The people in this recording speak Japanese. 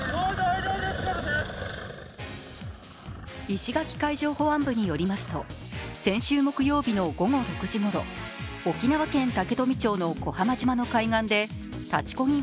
石垣海上保安部によりますと先週木曜日の夜９時ごろ、沖縄県竹富町の小浜島の海岸で立ちこぎ